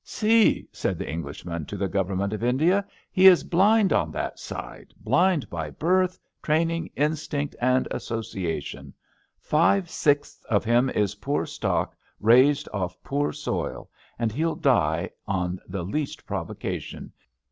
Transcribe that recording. See! ^' said the Englishman to the Government of India, he is blind on that side — ^blind by birth, training, instinct and associations. Five sixths of him is poor stock raised off poor soil, and he'll die on the least provocation.